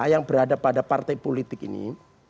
yang berada pada partai politik ini